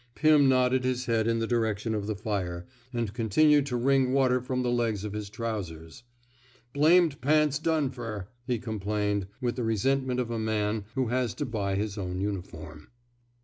Pim nodded his head in the direction of the fire, and continued to wring water from the' legs of his trousers. ^* Blamed pants *s done f er, he complained, with the resentment of a man who has to buy his own uniform.